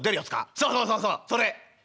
「そうそうそうそうそれ！」。